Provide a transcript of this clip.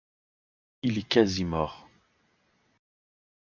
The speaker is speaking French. Il est quasy mort.